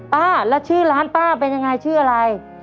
ป้าแล้วชื่อร้านป้าเป็นยังไงชื่ออะไร